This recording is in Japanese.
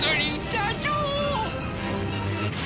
社長！